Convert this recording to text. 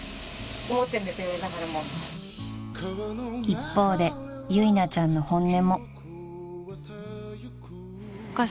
［一方で由奈ちゃんの本音も］